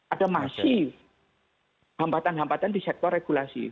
ada masih hambatan hambatan di sektor regulasi